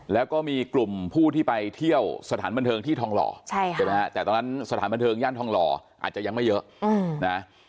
แล้วก็มีกลุ่มผู้ที่ไปเที่ยวสถานบันเทิงที่ทองหล่อใช่ไหมฮะแต่ตอนนั้นสถานบันเทิงย่านทองหล่ออาจจะยังไม่เยอะนะ